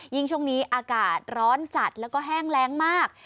ช่วงนี้อากาศร้อนจัดแล้วก็แห้งแรงมาก